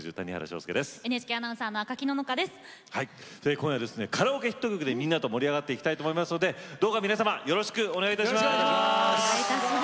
今夜はカラオケヒット曲でみんなと盛り上がっていきたいと思いますのでどうか皆様よろしくお願いいたします。